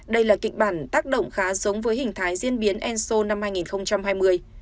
đây là kịch bản tác động khá giống với hình thái diễn biến enso năm hai nghìn hai mươi